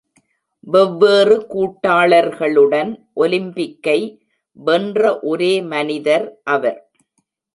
வெவ்வேறு கூட்டாளர்களுடன் ஒலிம்பிக்கை வென்ற ஒரே மனிதர் அவர்.